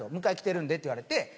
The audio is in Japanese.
「迎え来てるんで」って言われて。